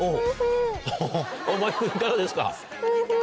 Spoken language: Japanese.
真木君いかがですか？